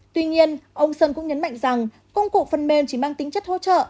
tuy nhiên ông sơn cũng nhấn mạnh rằng công cụ phân mêm chỉ mang tính chất hỗ trợ